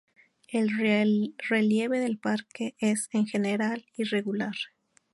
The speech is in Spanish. El relieve del parque es, en general, irregular.